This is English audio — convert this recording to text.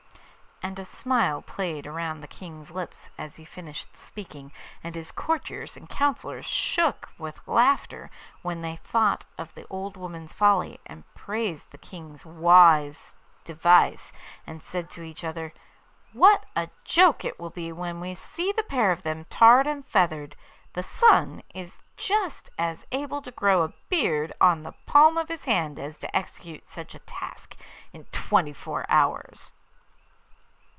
And a smile played round the King's lips as he finished speaking, and his courtiers and counsellors shook with laughter when they thought of the old woman's folly, and praised the King's wise device, and said to each other, 'What a joke it will be when we see the pair of them tarred and feathered! The son is just as able to grow a beard on the palm of his hand as to execute such a task in twenty four hours.